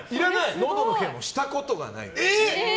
のどのケアもしたことない。